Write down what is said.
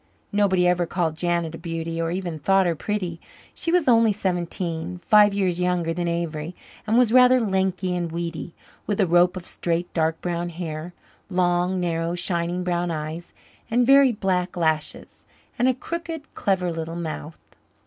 Nobody ever called Janet a beauty, or even thought her pretty. She was only seventeen five years younger than Avery and was rather lanky and weedy, with a rope of straight dark brown hair, long, narrow, shining brown eyes and very black lashes, and a crooked, clever little mouth.